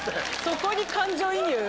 そこに感情移入？